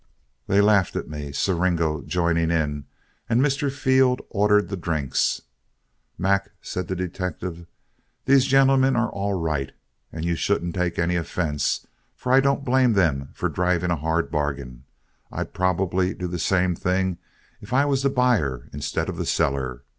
They laughed at me, Siringo joining in, and Mr. Field ordered the drinks. "Mac," said the detective, "these gentlemen are all right, and you shouldn't take any offense, for I don't blame them for driving a hard bargain. I'd probably do the same thing if I was the buyer instead of the seller.